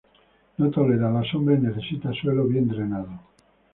No tolera la sombra y necesita suelo bien drenado.